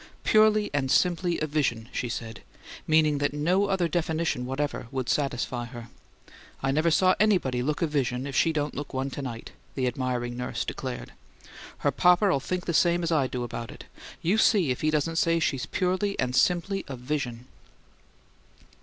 "Purely and simply a vision!" she said, meaning that no other definition whatever would satisfy her. "I never saw anybody look a vision if she don't look one to night," the admiring nurse declared. "Her papa'll think the same I do about it. You see if he doesn't say she's purely and simply a vision."